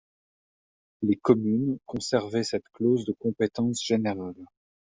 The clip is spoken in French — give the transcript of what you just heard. Les communes conservaient cette clause de compétence générale.